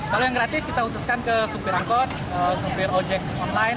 kalau yang gratis kita khususkan ke supir angkot supir ojek online